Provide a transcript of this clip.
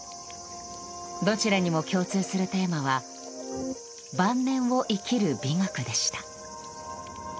どちらにも共通するテーマは晩年を生きる美学でした。